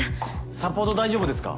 サポート大丈夫ですか？